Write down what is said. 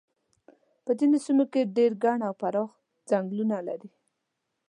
په ځینو سیمو کې ډېر ګڼ او پراخ څنګلونه لري.